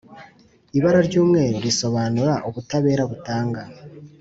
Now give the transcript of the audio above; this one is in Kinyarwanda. Ibara ry umweru risobanura ubutabera butanga